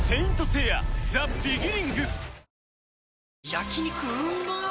焼肉うまっ